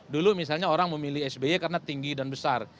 dulu misalnya orang memilih sby karena tinggi dan besar